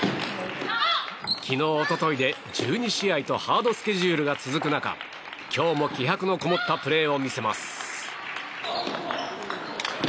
昨日、一昨日で１２試合とハードスケジュールが続く中、今日も気迫のこもったプレーを見せます。